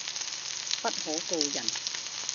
不可告人